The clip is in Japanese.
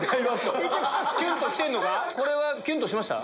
これはキュンとしました？